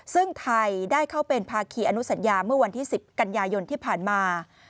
ซึ่งไทยได้เข้าเป็นภาคีอนุสัญญาเมื่อวันที่๑๐กันยายนที่ผ่านมา